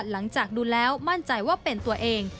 หลังจากดูแล้วมั่นใจว่าเป็นตัวเอง